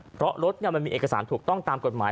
เพราะรถมันมีเอกสารถูกต้องตามกฎหมาย